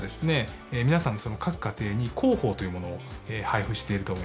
皆さんの各家庭に広報というものを配布していると思います。